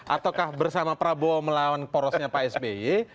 ataukah bersama prabowo melawan porosnya pak sby